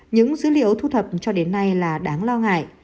những dữ liệu thu thập cho đến nay là đáng lo ngại